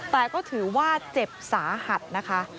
แต่ก็ถือว่าเจ็บสาหัสนะคะ